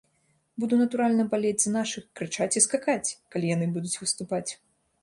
Буду, натуральна, балець за нашых, крычаць і скакаць, калі яны будуць выступаць.